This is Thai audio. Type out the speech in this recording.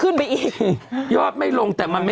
อืมเนาะ